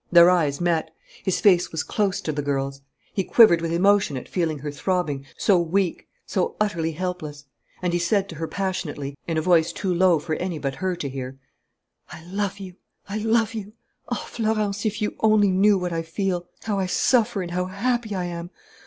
Their eyes met. His face was close to the girl's. He quivered with emotion at feeling her throbbing, so weak, so utterly helpless; and he said to her passionately, in a voice too low for any but her to hear: "I love you, I love you.... Ah, Florence, if you only knew what I feel: how I suffer and how happy I am!